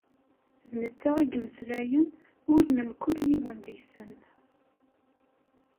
D netta i imeslen ul n mkul yiwen deg-sen.